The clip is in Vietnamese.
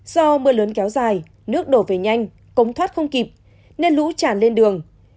do mưa lớn kéo dài nước đổ về nhanh cống thoát không kịp nên lũ tràn lên đường